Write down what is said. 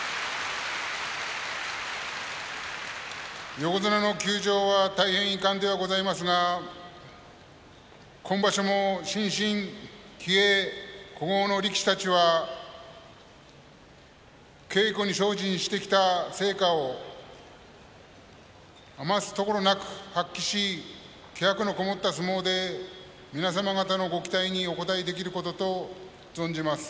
横綱の休場は大変遺憾ではございますが今場所も新進気鋭、古豪の力士たちは稽古に精進してきた成果を余すところなく発揮し気迫の籠もった相撲で皆様方のご期待にお応えできることと存じます。